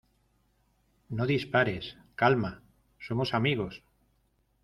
¡ No dispares! Calma. somos amigos .